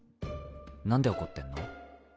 何で怒ってんの？